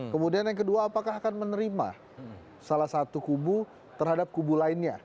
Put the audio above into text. kemudian yang kedua apakah akan menerima salah satu kubu terhadap kubu lainnya